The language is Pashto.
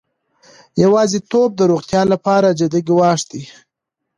یوازیتوب د روغتیا لپاره جدي ګواښ دی.